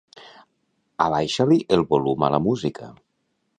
Abaixa-li el volum a la música.